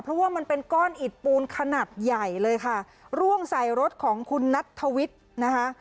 เพราะว่ามันเป็นก้อนอิดปูนขนาดใหญ่เลยค่ะร่วงใส่รถของคุณนัทธวิทย์นะคะ